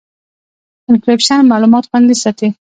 انکریپشن معلومات خوندي ساتي.